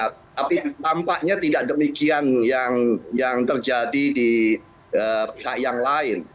tapi tampaknya tidak demikian yang terjadi di pihak yang lain